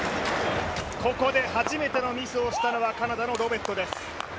ここで初めてのミスをしたのがカナダのロベットです。